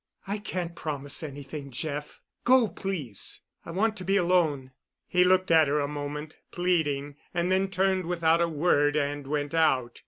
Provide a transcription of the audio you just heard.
"I can't promise anything, Jeff. Go, please. I want to be alone." He looked at her a moment, pleading, and then turned without a word and went out.